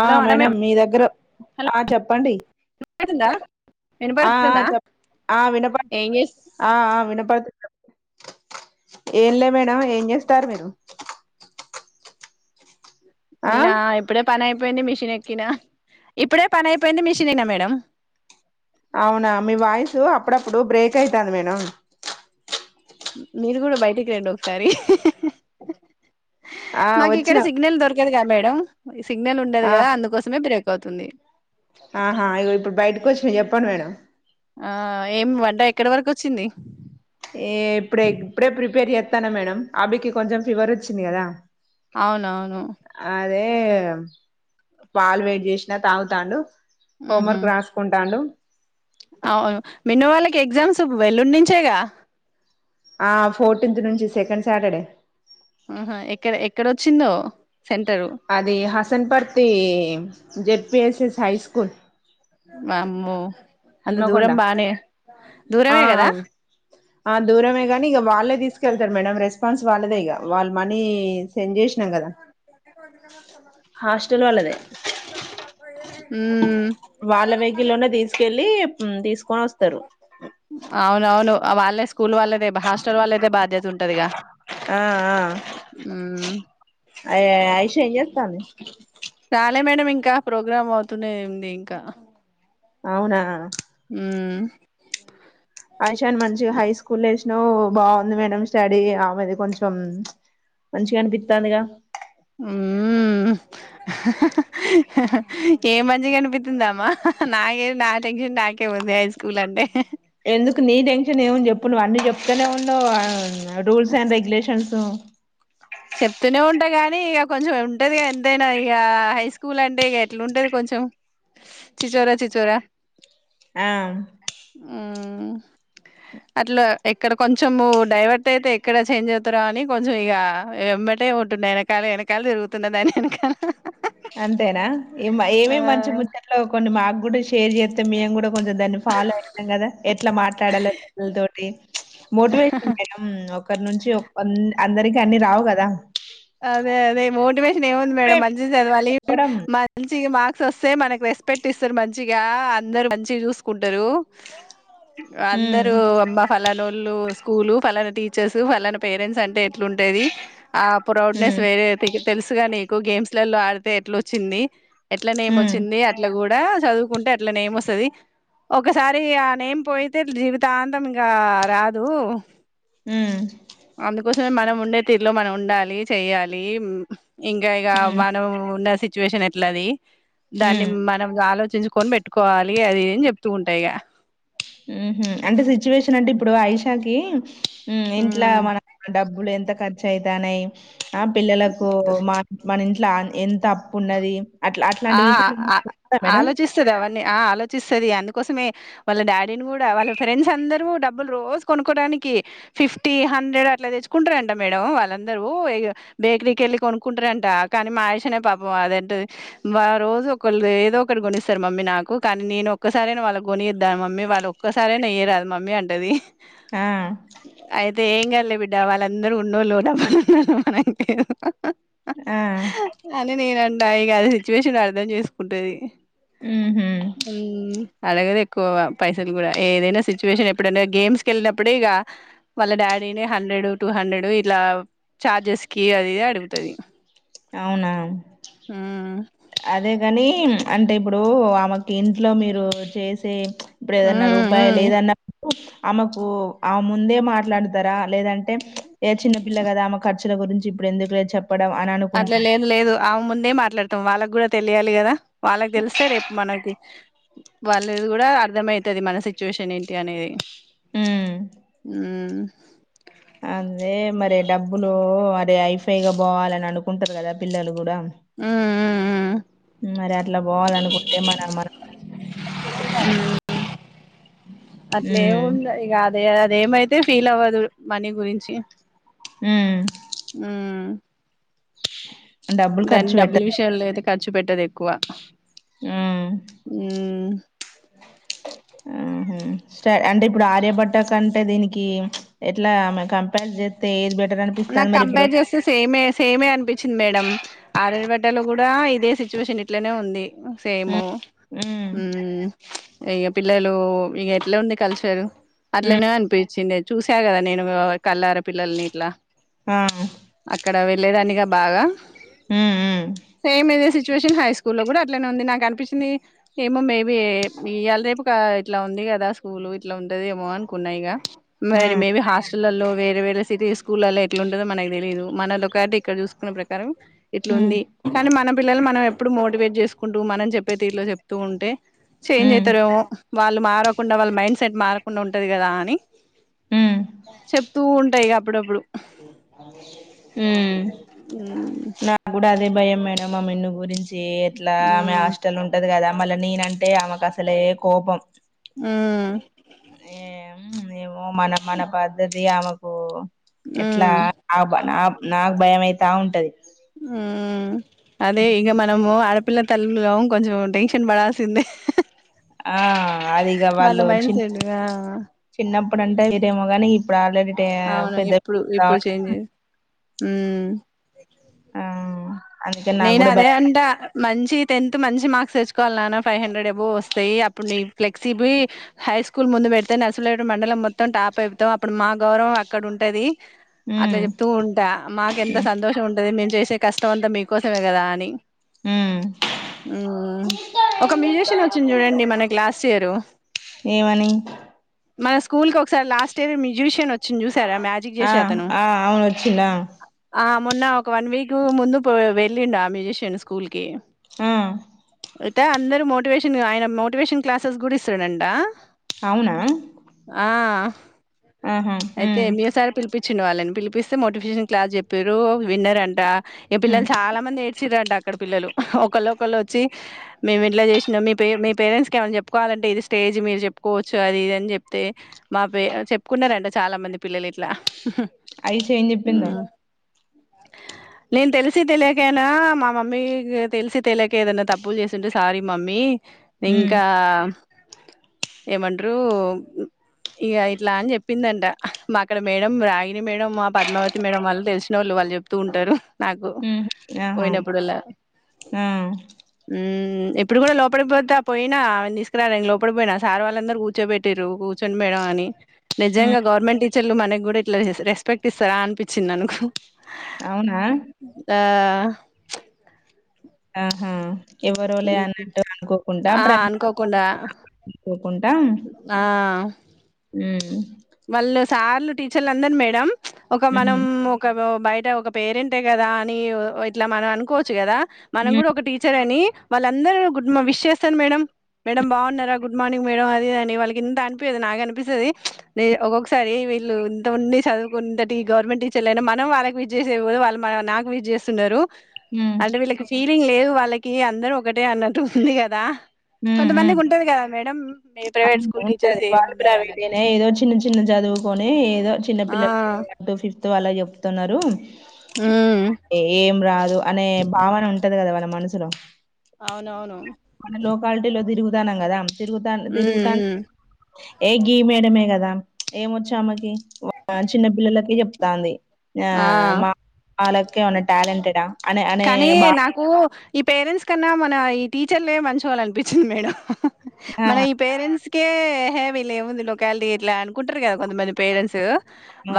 ఆ hello hello madam మీ దగ్గర వినపడుతుందా ఆ చెప్పండి ఆ వినపడుతుందా చెప్పు వినపడుతుంది ఏం చేస్ ఆ వినప్ప ఫస్ట్ ఏంలే మేడం ఏం చేస్తారు మీరు ఆ నేనా ఇప్పుడే పనైంది పోయింది మిషన్ ఎక్కినా ఇప్పుడే పని అయిపోయింది మిషన్నా మేడం అవునా మీ వాయిసు అప్పుడప్పుడు బ్రేక్ అయితాంది మేడం మీరు కూడా బయటికి రండి ఒకసారి ఆ మాకు ఇక్కడ వచ్చినా సిగ్నల్ దొరకదు క మేడం సిగ్నల్ ఉండదు ఆ గా అందుకోసమే బ అయిపోతుంది ఆహా ఇప్పుడు బయటకు వచ్చినా చెప్పండి మేడం ఆ ఏం వంట ఎక్కడి వరకు వచ్చింది ఏ ఇప్పుడే ఇప్పుడే ప్రిపేర్ చేస్తాను మేడం అభికి కొంచెం ఫీవర్ వచ్చింది కదా అవునవును అ పాలు వేడి చేసినా తాగు తాండు హోం ఉహు వర్క్ రాసుకుంటాండు అవును మిన్న వాళ్ళకి ఎగ్జామ్స్ ఎల్లుండి నుంచేగా ఆ ఫోర్టీన్త్ నుంచి సెకండ్ సాటర్డే ఆహా ఎక్కడ ఎక్కడొచ్చిందో సెంటరు అది Hasanparthy Z PSS high school వామ్మో అంత హన్మకొండ దూరం బానే ఆ దూరమే కదా ఆ దూరమే గాని ఇక వాళ్ళ తీసుకెళ్తారు మేడం రెస్పాన్స్ వాళ్ళదే ఇగ వాళ్ళ మనీ సెండ్ స చేసినాం కదా హాస్టల్ వాళ్ళదే [unintelligible] హమ్ వాళ్ళ వెహికల్ లోనే తీసుకెళ్ళి తీసుకొని వస్తారు అవును అవును వాళ్ళు స్కూల్ వాళ్ళదే హాస్టల్ వాళ్ళదే బాధ్యత ఉంటాదిగా ఆయిషా ఏం చేస్తాంది చాలే మేడం ఇంకా ప్రోగ్రామ్ అవుతూనే ఉంది ఇంకా అవునా హమ్ ఆయిషాని మంచి గా హై స్కూల్ వేసిన నో బాగుంది మేడం స్టడీ ఆమెది కొంచెం మంచిగా అనిపిస్తుంది గా ఉమ్ ఏ మంచిగా అనిపిస్తుందామ్మా అమ్ నాకే నా టెన్షన్ నాకే ఉంది హై స్కూల్ అంటే ఎందుకు నీ టెన్షన్ ఏముంది చెప్పు నువ్వు అన్నీ చెప్తూనే ఉండవు రూల్స్ అండ్ రెగ్యులేషన్స్ [inaudible] చెప్తూనే ఉంటాను కాని ఇక కొంచెం ఉంటాది గా ఎంతైనా ఇక హై స్కూల్ అంటే ఇక ఎట్లుంటాది కొంచెం చీచోరా చిచోర ఆ హమ్ అట్లా ఎక్కడ కొంచెం డైవర్ట్ అయితే ఎక్కడ చేంజ్ అవుతార అని కొంచెం ఇక ఎమ్మటే ఉంటుండ వెనకాల వెనకాల తిరుగుతున దాని వెనకాల అంతేనా ఏ ఏమే మంచి ముచట్లో కొన్ని మాకుగుడ షేర్ చేస్తే మేము కూడా కొంచెం దాన్ని ఫాలో అయితాం కదా ఎట్లా మాట్లాడాలలో పిల్లలతోటి మోటి ఆ వేశాన్ మేడం ఒకరి నుంచి అందరికి అన్ని రావు కదా అదే అదే మోటివేషన్ ఏముంది చెప్పే మేడం మంచిగా చదవాలి చెప్పడం మళ్ళీ మంచి మాకు వస్తే మనకు రెస్పెక్ట్ ఇస్తారు మంచిగా అందరు మంచి చూసుకుంటారు ఉమ్ అందరూ అమ్మ ఫలనోళ్ళు స్కూల్ పలానా టీచర్స్ ఫలానా పేరెంట్స్ అంటే ఎట్లుంటేది ఆ ప్రౌడ్నెస్ ఉమ్ వేరే తెలుసుగా నీకు గేమ్స్లలో ఆడితే ఎట్లా ఓచ్చింది ఎట్ల నేమ్ ఉమ్ ఓచ్చింది అట్ల గుడ దాచదువుకుంటే అట్ల నేమ్ వస్తది ఒకసారి ఆ నేమ్ పోయితే జీవితాంతం ఇంగా రాదు ఉమ్ అందుకోసమే మనం ఉండే తీరులో మనం ఉండాలీ చెయ్యాలీ ఊ ఇంగా ఇగ ఉమ్ మనం ఉన్న సిచ్యువేషన్ ఎట్లది దాన్ని ఉమ్ మనం గా ఆలో చర్చించుకొని పెట్టుకోవాలి అది ఇది చెప్తూ ఉంటయిగ ఎ హు అంటే సిచ్యువేషన్ అంటే ఇప్పుడు ఐషాకి ఉ ఇంట్ల హ్మ్. మన డబ్బులు ఎంత ఖర్చు అయితనయి ఆ పిల్లలకు మ మన ఇంట్ల ఎంత అప్పు ఉన్నది అట్లా అట్లాంటి ఆ విషయం అ మేడం ఆలోచిస్తది అవని నె ఆ ఆలోచిస్తది అందుకోసమే వాళ్ళ డాడీని గుడా వాళ్ళ ఫ్రెండ్స్ అందరు డబ్బులు రోజు కొనుకోడానికి నికి ఫిఫ్టీ హండ్రెడ్ అట్ల దెచ్చుకుంటరంట మేడం వాళ్ళందరూ ఇగ బేకిరీ యెల్లి కొనుక్కు అంటరంట కనీ మాయిషనే పాపం అదఅంటది వా రోజు ఒకళ్ళు ఏదో ఒకటి కొనిస్తారు మమ్మీ నాకు కనీ నేను ఒక్కసారయిన వాళ్ళ కొనియధ మమ్మీ వాళ్ళ ఒక్కసారయిన ఇయ్యే రాదు మమ్మీ అంటది ఆ లే బిడ్డా వాళ్ళందరూ ఉన్నోల్లు డబ మనే ఆ అని నేనంట ఇగ అది సిచ్యువేషన్ అర్ధం చేసుకుంటది ఉహు ఉమ్ అడగదు ఎక్కువ పైసలు గుడా ఏదైనా సిచ్యువేషన్ ఎప్పుడ గేమ్స్కిలినప్పుడే ఇగ వళ్ళ డాడీ నేనే హండ్రెడ్ టూ హండ్రెడ్ ఇట్ల చార్జెస్ కి అది ఇది అడుగుతది అవునా మ్మ్ అదే గనీ అంటే ఇప్పుడు ఆమెకి ఇంట్లో మీరు చేసే ఇప్పుడు ఏదన్న మ్మ్ రూపాయి మ్మ్ లేదన్న ఆమెకు ఆమె ముందే మాట్లాడతరా లేదంటే ఏ చిన్నపిల్ల గదా ఆమె ఖ ర్చుల గురించి ఇప్పుడు ఎందుకులే చెప్ప అట్ల లేదు లేదు ఆమె ముందే మాట్లాడతాం వాళ్ళకి గగడ తెలియాలి గదా వాళ్ళకి దెలిస్తే రేపు మనకి వాళ్ళది గగడ అర్థమయితది మన సిచ్యువేషన్ ఏంటి అనేది ఉమ్ ఉమ్ అదే మరి డబ్బులూ అది హైఫైగా బోవాలని అనుకుంటరు గదా పిల్లలు గూడా ఉమ్ ఉమ్ ఉమ్ మరి అట్ల బోవాలనుకుంటే మన అమ్మా [unintelligible] ఉమ్ అట్లేముండ ఇగ అద అదేమైతే ఫీల్ అవ్వదు మనీ గురించి ఉమ్ ఉమ్ [inaudible] దాన్ని ఖర్చు డబ్బుల పెట్టద్దు విషయాల్లో అయితే ఖర్చు పెట్టదు ఎక్కువ ఉమ్ [inaudible] ఆ ఉమ్ సర్ అంటే ఇప్పుడు ఆర్యభట్ట కంటే దీనికి ఎట్ల కంపేర్ జేస్తే ఏది బెట్ నాకు కంపేర్ జేస్తే సేమే సేమే అనిపించింది మేడం ఆర్యభట్టలో గూడా ఇదే సిచ్యువేషన్ ఇట్లనే ఉంది సేమూ ఉమ్ ఉమ్ ఇగ పిల్లలు ఇగ ఎట్లఉంది కల్చరు ఉమ్ అట్లనే అనిపించిందే చూసి సా గదా నేను కల్లార పిల్లల్ని ఇట్ల ఆ అక్కడ వెళ్ళేదాని గ బాగ ఉమ్ ఉమ్ సేము ఇదే సిచ్యు సిచ్యువేషన్ హై స్కూల్లో గూడ అట్లనే ఉంది నాకు అనిపిచింది ఏమో మేబి ఇయాల రేపు కా ఇట్ల ఉంది గదా స్కూల్ ఇట్లా ఉంటదేమో అనుకున్నా ఇగ ఆ మరి మేబీ హాస్టల్లల్లో వేరే వేరే సిటీ స్కూల్లల్లో ఎట్లుంటదో మనకు తెలిదు మన లొకాలిటీ ఇక్కడ చూసుకున్న ప్రకారం ఇట్లా ఉమ్ ఉంది కానీ మనం పిల్లలు మనం ఎప్పుడు మోటివేట్ చేసుకుంటూ మనం చెప్పే తీరులో చెప్తూ ఉంటే చేంజ్ ఉమ్ అయితరేమో వాళ్ళు మారకుండా వాళ్ళ మైండ్ సెట్ మారకుండా ఉంటది గదా అని ఉమ్ చెప్తూ ఉంటా ఇగ అప్పుడప్పుడు ఉమ్ మ్మ్ నాకు గూడా అదే భయం మేడం ఆ మిన్ను గురించి ఏ ఎట్లా ఆమె మ్మ్ హాస్టల్ ఉంటది గదా మళ్ళా నేనంటే ఆమెకు అసలే కోపం ఉమ్ ఏ ఏమో మన మన పద్ధతి ఆమెకు ఎట్లా మ్మ్ నా నాకు భయమైతా ఉంటది ఉమ్ అదే ఇగ మనము ఆడ పిల్ల తల్లులం కొంచెం టెన్షన్ పడాల్సిందే. ఆ అదిగా వాళ్ళ వాళ్ళు మైండ్ చి సెట్ ఆ చిన్నప్పుడుంటే వేరేమో గాని ఆల్రెడీ టే అవును పెద్ద ఇప్పుడు ఇప్పుడు కాబట్టి చేంజ్ ఉమ్ ఆ అందుకే నాకు నేను కూడా అదే భయం అంట మంచి టెన్త్ మంచి మార్క్స్ తెచ్ తెచ్చుకోవాలా నానా ఫైవ్ హండ్రెడ్ అబౌవ్ వస్తాయి అప్పుడు ఫ్లెక్సీ బి హై స్కూల్ ముందు పెడితే నర్సులేడ్ మండలం మొత్తం టాప్ అయిపోతాం అప్పుడు మా గౌరవం అక్కడ ఉంటది అట్లా ఉమ్ జెప్తూ ఉంటా మాకు ఎంత సంతోషం ఉంటది మేము చేసే కష్టం అంతా మీకు కోసమే గదా అని ఉమ్ ఉమ్ ఒక మ్యూజిషియన్ వచ్చింది చూడండి మనకి లాస్ట్ ఇయరు అని మన స్కూల్ కి ఒకసారి లాస్ట్ ఇయర్ మ్యుజిషియన్ వచ్ చి చూసారా మ్యాజిక్ ఆ చేసే అతను ఆ అవును వచ్చిండా మొన్న ఒక వన్ వీక్ ముందు పో వెళ్ళిండు ఆ మ్యూజిషియన్ స్కూల్కి ఆ అయితే అందరుూ మోటివేషన్ ఆయన మోటివేషన్ క్లాసెస్ కూడా ఇస్తుడంట అవునా ఆహా అయితే హ్మ్ మీరుసారి పిలిపి పించిండు వాళ్ళని పిలిపిస్తే మోటివేషన్ క్లాస్ చెప్పిరు విన్నర్ అంట ఇ హ్మ్ పిల్లలు చాలా ఏడ్చిరంట అక్కడ పిల్లలు ఒకళ్ళ ఒకళ్ళ వచ్చి మేము ఇట్లా చేసినాం మీ పేరెంట్స్ కి ఏమైనా చెప్పుకోవాలంటే ఇది స్టేజ్ మీరు చెప్పుకోవచ్చు అది ఇదని చెప్తే మా పే చెప్పుకున్నారంట చాలా మంది పిల్లలు ఇట్లా ఐష్ ఏం చెప్పిందో ఉమ్. [inaudible] నేను తెలిసి తెలియకనా మా మమ్మీ తెలిసి తెలియక ఏదైనా తప్పులు చేసింటే సారీ మమ్మీ హ్మ్ ఇంకా [inaudible] ఏమంటరు ఇక ఇట్లా అని చెప్పిందంట మా అక్కడ మేడం రాగిని మేడం మా పద్మావతి మేడం వాళ్ళు తెలిసినోళ్ళు వాళ్ళు చెప్తూ ఉంటారు నాకు హ్మ్ ఆహా పోయినప్పుడల్లా ఆ ఎప్పుడు కూడా లోపడిపోత పోయినా ఆ తీసుకురా లోపడిపోయినా సార్ వాళ్ళందరు కూర్చోబెట్టారు కూర్చోండి మేడం అని హ్మ్ నిజంగా గవర్నమెంట్ టీచర్లు మనకి కూడా ఇట్లా రెస్పెక్ట్ ఇస్తారా అనిపించింది మనకు అవునా ఆ ఆహా ఎవరో లే హ్మ్. అన్నట్టు అనుకోకుండా ఆ అనుకోకుండా కొంట ఆ ఉం వాళ్ళు సార్లు టీచర్లు అందరు మేడం ఒక మనం హ్మ్ ఒక బయట ఒక పేరెంట్ ఏ కదా అని ఇట్లా మనం అనుకోవచ్చు కదా మనం కూడా హ్మ్ ఒక టీచర్ అని వాళ్ళందరూ విష్ చేస్తాను మేడం మేడం బాగున్నారా గుడ్ మార్నింగ్ మేడం అది అని వాళ్ళకి ఇంత అనిపియది నాకు అనిపిస్తది. ఒక్కొక్కసారి వీళ్ళుంత ఉంన్ని చదువుకున్నంతటి గవర్నమెంట్ టీచర్లు అయినా మనం వాళ్ళకి విచ్చ చేసే పోతే వాళ్ళ మన నాకు విజ్ చేస్తున్నారు. హ్మ్ అంటే వీళ్ళకి ఫీలింగ్ లేవు వాళ్ళకి అందరు ఒకటే అన్నట్టు ఉంది కదా హ్మ్ కొంతమందికి హ్మ్ ఉంటది కదా మేడం ప్రైవేట్ అవును స్కూల్ టీచర్స్ ఉంటది వాళ్ళు ఏముంది అని ప్రైవేటేనే ఏదో చిన్న చిన్న చదువుకొని ఏదో చిన్న పిల్లలు ఆ అంటూ ఫిఫ్త్ అలా చెప్తున్నారు. ఉమ్ ఏం రాదు అనే భావన ఉంటది కదా వాళ్ళ మనసులో అవునవును ఉమ్ మన లోకాలిటీలో తిరుగుతాన్నాం కదా తిరుగుతా తిరుగుతాను ఉమ్ ఏ గీ మేయడమే కదా ఏమ వచ్చా ఆమెకి చిన్న పిల్లలకే చెప్తాంది ఆ మా లెక్క ఉన్న ఏమన్నా టాలెంటెడ్ ఆ కానీ నాకు ఈ పేరెంట్స్ కన్నా మన ఈ టీ టీచర్లే మంచోలనిపించింది మేడం మన ఈ పేరెంట్స్ హే హేవీ లేముంది లోక్యాటి ఇట్లా అనుకుంటారు కదా కొంతమంది పేరెంట్స్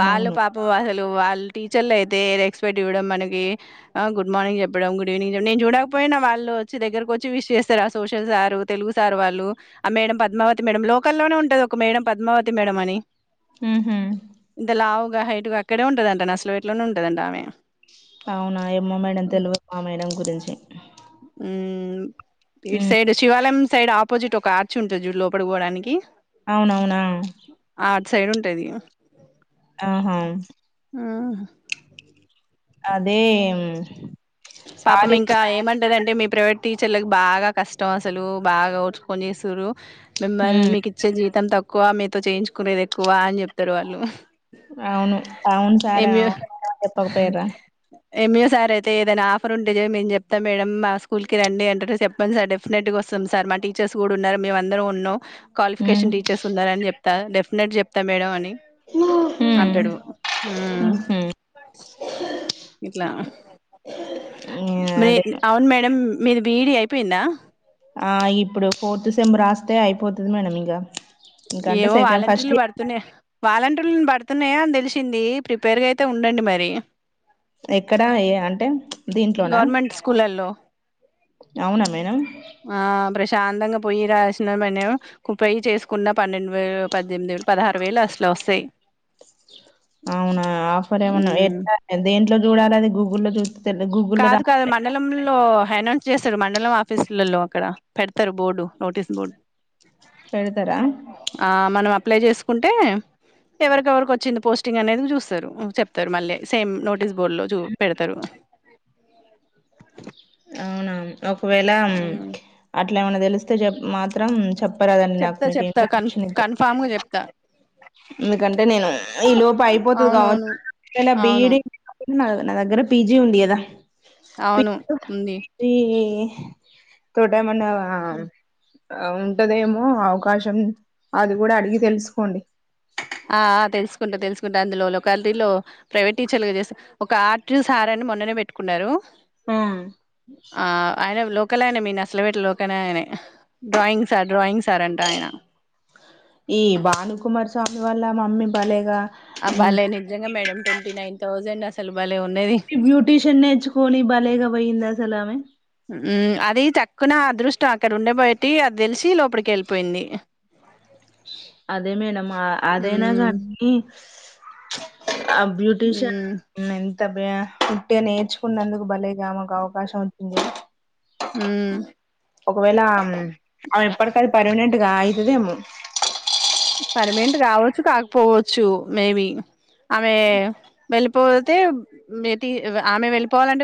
వాళ్ళు పాపం అసలు వాళ్ళు టీచర్లు అయితే రెస్పెక్ట్ ఇవ్వడం మనకి గుడ్ మార్నింగ్ చెప్పడం గుడ్ ఈవినింగ్ చెప్పడి నేను చూడకపోయినా వాళ్ళుచ్చ దగ్గరకు వచ్చి విష్ చేస్తార ఆ సోషల్ సారు తెలుగు సార్ వాళ్ళు ఆ మేడం పద్మావతి మేడం లోకల్ లోనే ఉంటది ఒక మేడం పద్మావతి మేడం అని ఉహు హైటుగా అక్కడే ఉండదండి అసలు వట్లోనే ఉండదండి ఆమె అవునా ఏమ్మో మేడం తెలివదు ఆ మేడం గురించి మ్మ్ ఇటు ఉమ్, సైడ్ శివాలయం సైడ్ ఆపోజిట్ ఒక ఆర్చి ఉంటుంది లోపలి పోవడానికి అవునవునా ఆ అటు సైడ్ ఉంటాది ఆహా ఆహా అదే పాపం సార్ ఇంకా ఏమంటాదంటే మీ ప్రైవేట్ టీచర్లకు బాగా కష్టం అసలు బాగా ఓర్చుకొని చేస్తురు మిమ్మల్ని ఉమ్, మీకు ఇచ్చే జీవితం తక్కువ మీతో చేయించుకునేది ఎక్కువ అని చెప్తారు వాళ్ళు అవును అవును సార్ ఎమిదొ అవును చెప్పకపోయారా ఎమి ఏదైనా ఆఫర్ ఉంటే జయ మేం చెప్తా మేడం మా స్కూల్ కి రండి అంటడు చెప్పండి సార్ డెఫినెట్గా వస్తాం సార్ మా టీచర్ ర్స్ కూడా ఉన్నారు మేము అందరం ఉన్నాం ఉమ్, క్వాలిఫికేషన్ టీచర్స్ ఉన్నారని చెప్తా డెఫినేట్ చెప్తా మేడం అని ఉమ్, అంటడు ఉ ఉహు. ఇట్లా ఆ, అదే మీకి అవును మేడం మీది బి ఈ డి అయిపోయిందా ఆ ఇగ ఇప్పుడు ఫోర్త్ సెమ్ రాస్తే అయిపోతుది మేడంమ్ ఇగా ఏవో వాలంటీర్లు పడుతున్నా వాలంటీర్లు పడుతున్నాయా అని తెలిసింది ప్రిపేర్గా అయితే ఉండండి మరి ఎక్కడ ఏ అంటే దీంట్లోనా గవర్నమెంట్ స్కూల్ల్లో అవునా మేడం ఆ ప్రశాంతంగా పొయ్యి రాసిన మనం పోయ్యి చేసుకున్న పన్నెండు వేలు పద్దెనిమిది వేలు పదహారు వేలు అస్ల వస్తాయి అవునా ఆఫర్ ఏమన్నా ఉమ్ ఎ దేంట్లో చూడాలి అది గూగు లో చూస్ కాదు కాదు మండలం లో హనౌన్స్ చేస్తారు మండలం ఆఫీసులలో అక్కడ పెడతారు బోర్డు నోటీస్ బోర్డు పెడుతరా ఆ మనం అప్లై చేసుకుంటే ఎవరికెవరికి వచ్చింది పోస్టింగ్ అనేది చూస్తారు చెప్తారు మళ్ళే సేమ్ నోటీస్ బోర్డు లో చూ పెడుతరు అవునా ఒకవేళ ఉమ్ అట్లా ఏమన్నా తెలిస్తే చె మాత్రం చెప్పరాదండి నాకు చెప్తా మీకు చెప్తా కన్ ఇన్ఫర్మేషన్ ఇ కన్ఫామ్గా చెప్తా ఎందుకంటే నేను ఈ లోపు అయిపోతుది కావ అవునవును ఇట్లనే అవును బిఈడి నా దగ్గర పిజి ఉంది కదా అవును ఉంది పీజీ తోటి ఏమన్నా హ ఉంటదేమో అవకాశం అది కూడా అడిగి తెలుసుకోండి ఆ తెలుసుకుంటా తెలుసుకుంటా అందులో లొకాలిటీలో ప్రైవేట్ టీచర్లుగా చేస ఒక ఆట్రూ సారని మొన్ననే పెట్టుకున్నారు ఆ ఆయన లోకలైనే మీ నసలవేట్ లోకన్ఆయననే డ్రాయింగ్ సార్ డ్రాయింగ్ సార్ అంట ఆయన ఈ భాను కుమార్ స్వామి వాల్ల మమ్మీ భలేగా ఆ బలే నిజంగా మేడం ట్వంటీ నైన్ థౌసండ్ అసలు బలే ఈ బ్యూటీషియన్ నేర్చుకోని భలేగా పోయిందాసలామె కు నా అదృష్టం అక్కడ ఉండ బట్టి అది తెలిసి లోపడికి వెళ్ళిపోయింది అదే మేడం అదేనా మ్మ్ గానీ ఆ బ్యూటీషియన్ మ్మ్ ఎం ఉట్టిగా నేర్చుకున్నందుకు భలేగా ఆమెకు అవకాశం వచ్చింది ఉ ఒకవేళ అమే ఎప్పడికి అది పర్మినెంట్గా అయితదేమో పర్మినెంట్ కావచ్చు కాకపోవచ్చు మేబి ఆమె వెళ్ళిపోతే ఆమె వెళ్ళిపోవాలంటే